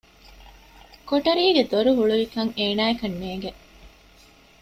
ކޮޓަރީގެ ދޮރުހުޅުވިކަން އޭނާއަކަށް ނޭގެ